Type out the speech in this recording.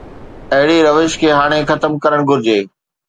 اهڙي روش کي هاڻي ختم ڪرڻ گهرجي.